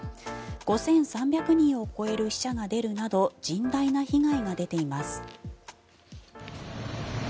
５３００人を超える死者が出るなど甚大な被害が出ています。